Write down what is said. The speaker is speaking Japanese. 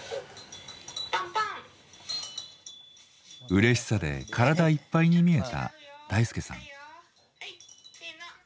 うれしさで体いっぱいに見えた大介さん。